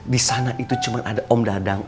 disana itu cuma ada om dadang